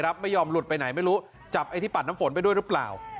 รับไปหยอมหลุดไปไหนไม่รู้ถ้าเธอจับไอติปัดน้ำฝนไปด้วยรึเปล่า